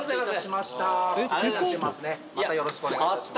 またよろしくお願いします。